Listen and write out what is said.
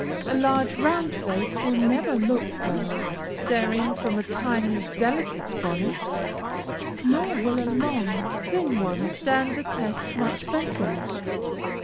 A large, round face will never look well, staring from a tiny, delicate bonnet; nor will a long, thin one stand the test much better.